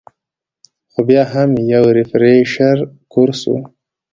خو بيا هم يو ريفرېشر کورس وۀ -